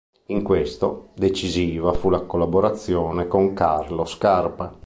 In questo, decisiva fu la sua collaborazione con Carlo Scarpa.